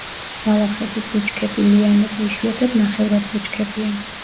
ბალახები ბუჩქები, ლიანები, იშვიათად ნახევრად ბუჩქებია.